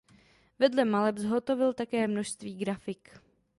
Vedle maleb zhotovil také množství grafik.